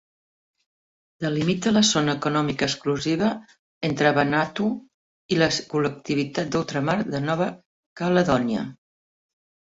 Delimita la zona econòmica exclusiva entre Vanuatu i la col·lectivitat d'ultramar de Nova Caledònia.